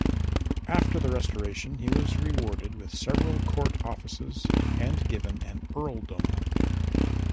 After the Restoration, he was rewarded with several Court offices and given an earldom.